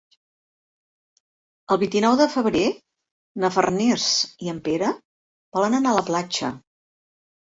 El vint-i-nou de febrer na Farners i en Pere volen anar a la platja.